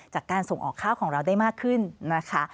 จากการส่งออกข้าวของเราได้มากขึ้นนะคะ